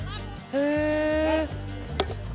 へえ。